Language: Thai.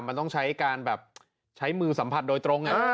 มันต้องใช้การแบบใช้มือสัมผัสโดยตรง